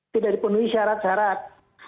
tidak dipenuhi syarat syarat